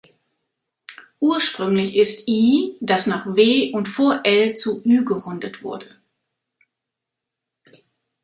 Ursprünglich ist -i-, das nach -w- und vor -l- zu -ü- gerundet wurde.